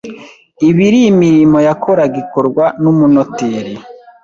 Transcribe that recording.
ibiri imirimo yakoraga ikorwa n umunoteri